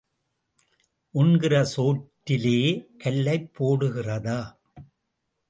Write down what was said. உண்கிற சோற்றிலே கல்லைப் போடுகிறதா?